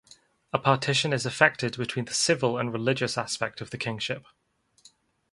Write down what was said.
A partition is effected between the civil and the religious aspect of the kingship.